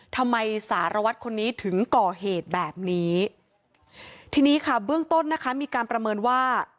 สารวัตรคนนี้ถึงก่อเหตุแบบนี้ทีนี้ค่ะเบื้องต้นนะคะมีการประเมินว่า